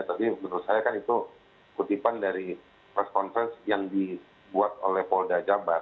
tapi menurut saya kan itu kutipan dari press conference yang dibuat oleh polda jabar